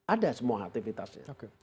ada semua aktivitasnya